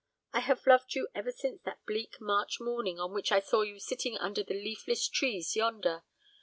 I have loved you ever since that bleak March morning on which I saw you sitting under the leafless trees yonder.